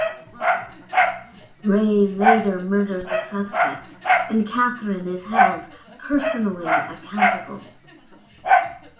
Ray later murders a suspect, and Catherine is held personally accountable.